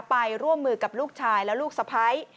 ไปร่วมมือกับลูกชายและลูกสะพ้าย